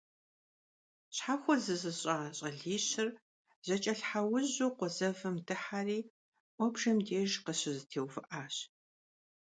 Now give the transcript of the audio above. Щхьэхуэ зызыщIыжа щIалищыр зэкIэлъхьэужьу къуэ зэвым дыхьэри «Iуэбжэм» деж къыщызэтеувыIащ.